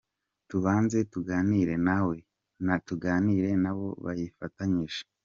Tubanze tuganire nawe, tuganire n’abo bayifatanije.